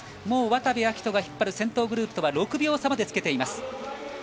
もう渡部暁斗が引っ張る先頭グループとは６秒差までつけています。